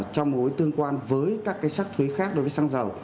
trong mối tương quan với các cái sắc thuế khác đối với xăng dầu